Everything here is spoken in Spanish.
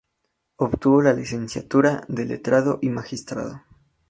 Obtuvo la licenciatura de letrado y magistrado.